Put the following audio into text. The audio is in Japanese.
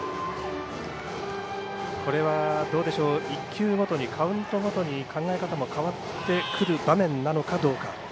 １球ごとに、カウントごとに考え方も変わってくる場面なのかどうか。